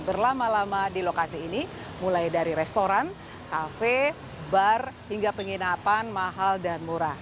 berlama lama di lokasi ini mulai dari restoran kafe bar hingga penginapan mahal dan murah